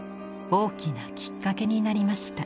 大きなきっかけになりました。